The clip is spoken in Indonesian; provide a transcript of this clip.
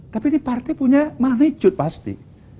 tapi ini partai punya magnitude pasti